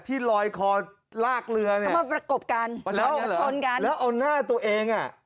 ที่ลอยคอลากเรือมาประกบกันแล้วเอาหน้าตัวเอง